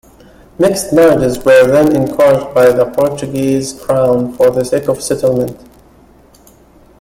Mixed marriages were then encouraged by the Portuguese Crown, for the sake of settlement.